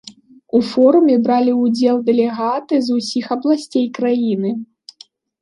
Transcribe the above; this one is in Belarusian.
У форуме бралі ўдзел дэлегаты з усіх абласцей краіны.